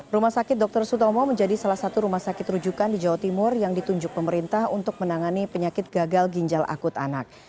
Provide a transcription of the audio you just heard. rumah sakit dr sutomo menjadi salah satu rumah sakit rujukan di jawa timur yang ditunjuk pemerintah untuk menangani penyakit gagal ginjal akut anak